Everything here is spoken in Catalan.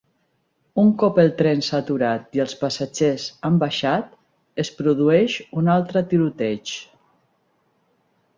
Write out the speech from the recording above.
Un cop el tren s'ha aturat i els passatgers han baixat, es produeix un altre tiroteig.